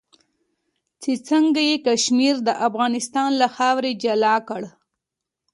چې څنګه یې کشمیر د افغانستان له خاورې جلا کړ.